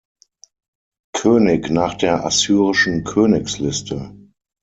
König nach der assyrischen Königsliste.